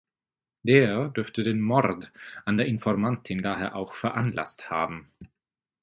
Der dürfte den Mord an der Informantin daher auch veranlasst haben.